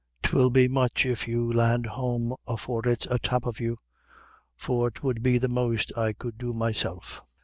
'Twill be much if you land home afore it's atop of you; for 'twould be the most I could do myself."